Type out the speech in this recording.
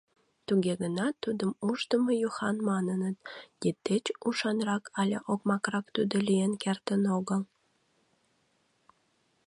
Туге гынат тудым Ушдымо-Юхан маныныт, тиддеч ушанрак але окмакрак тудо лийын кертын огыл.